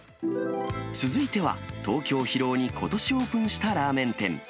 続いては、東京・広尾にことしオープンしたラーメン店。